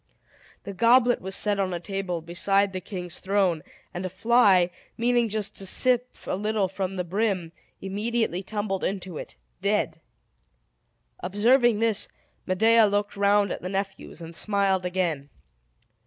The goblet was set on a table beside the king's throne; and a fly, meaning just to sip a little from the brim, immediately tumbled into it, dead. Observing this, Medea looked round at the nephews, and smiled again.